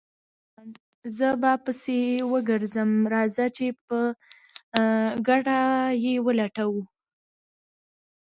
زلمی خان: زه به پسې وګرځم، راځه چې په ګډه یې ولټوو.